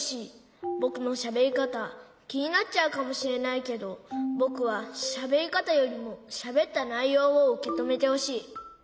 ぼくのしゃべりかたきになっちゃうかもしれないけどぼくはしゃべりかたよりもしゃべったないようをうけとめてほしい。